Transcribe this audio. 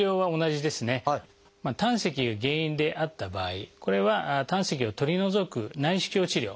胆石が原因であった場合これは胆石を取り除く内視鏡治療